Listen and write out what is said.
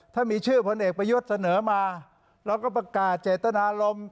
ถ้ามีชื่อพลเอกประยุทธ์เสนอมาเราก็ประกาศเจตนารมณ์